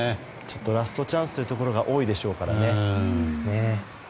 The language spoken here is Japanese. ラストチャンスというところが多いでしょうからね。